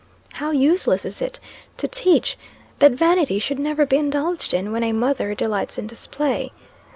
How useless is it to teach that vanity should never be indulged in, when a mother delights in display!